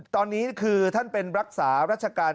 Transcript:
ตอนนี้คือท่านเป็นรักษารัชการ